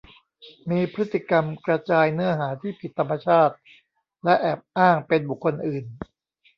มีพฤติกรรมกระจายเนื้อหาที่ผิดธรรมชาติและแอบอ้างเป็นบุคคลอื่น